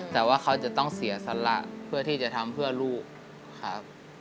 แต่ว่าเขาจะต้องเสียสละเพื่อที่จะทำเพื่อลูกครับ